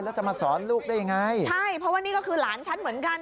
แล้วจะมาสอนลูกได้ยังไงใช่เพราะว่านี่ก็คือหลานฉันเหมือนกัน